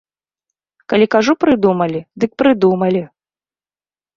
Калі кажу прыдумалі, дык прыдумалі!